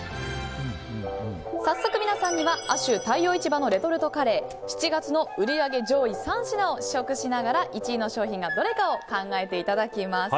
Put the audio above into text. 早速、皆さんには亜州太陽市場のレトルトカレー７月の売り上げ上位３品を試食しながら１位の商品がどれかを考えていただきます。